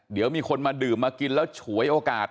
เดี๋ยวมีคนมาดื่มมากินแล้วฉวยโอกาส